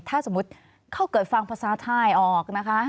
ถ้าสมมุติถ้าเกิดฟังภาษาไทยออกนะคะ